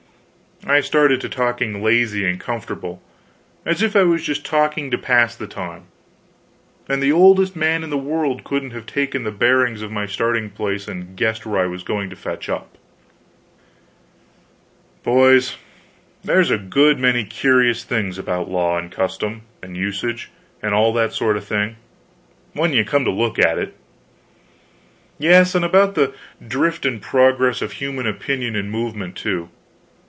I started to talking lazy and comfortable, as if I was just talking to pass the time; and the oldest man in the world couldn't have taken the bearings of my starting place and guessed where I was going to fetch up: "Boys, there's a good many curious things about law, and custom, and usage, and all that sort of thing, when you come to look at it; yes, and about the drift and progress of human opinion and movement, too.